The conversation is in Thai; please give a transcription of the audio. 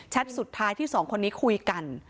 สุดท้ายที่สองคนนี้คุยกัน